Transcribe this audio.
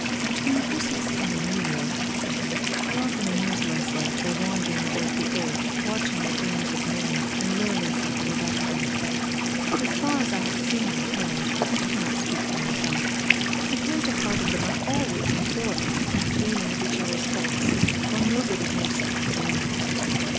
'Between Christmas and the New Year,' said he, 'I often amuse myself by wandering about the earth watching the doings of men and learning something about them. But as far as I have seen and heard I cannot speak well of them. The greater part of them are always quarrelling and complaining of each other's faults, while nobody thinks of his own.